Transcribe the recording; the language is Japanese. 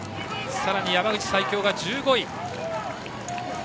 さらに山口・西京が１５位。